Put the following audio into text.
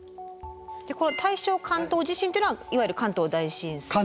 この大正関東地震というのはいわゆる関東大震災のことなんですね。